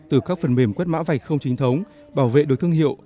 từ các phần mềm quét mã vạch không chính thống bảo vệ được thương hiệu